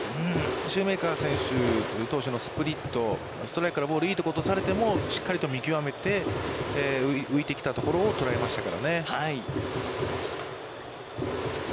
シューメーカー選手、スプリット、ストライクからボールいいとこ落とされても、しっかりと見きわめて浮いてきたところを捉えましたからね。